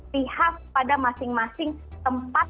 pihak pada masing masing tempat